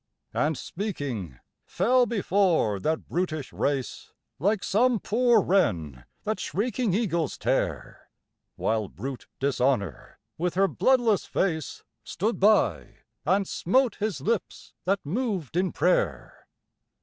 And speaking, fell before that brutish race Like some poor wren that shrieking eagles tear, While brute Dishonour, with her bloodless face Stood by and smote his lips that moved in prayer.